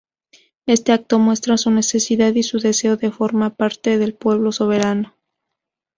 Este acto muestra su necesidad y su deseo de formar parte del pueblo soberano.